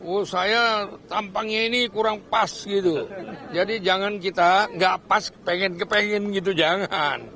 oh saya tampangnya ini kurang pas gitu jadi jangan kita gak pas pengen kepengen gitu jangan